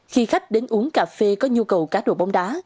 khi khách đến uống cà phê có nhu cầu cá đồ bóng đá